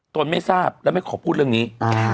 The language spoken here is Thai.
นไม่ทราบและไม่ขอพูดเรื่องนี้